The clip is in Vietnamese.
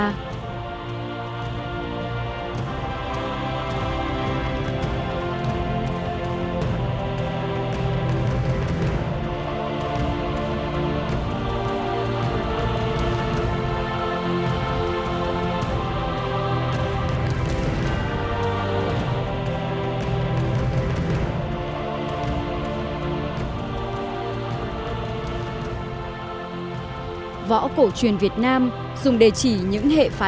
nền võ học việt nam được khởi dựng trong gian nguy hoàn thiện qua thử thách